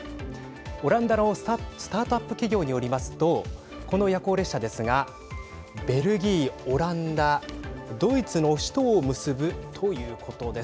オランダのスタートアップ企業によりますとこの夜行列車ですがベルギー、オランダドイツの首都を結ぶということです。